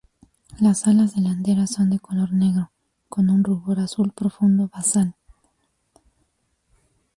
Las alas delanteras son de color negro con un rubor azul profundo basal.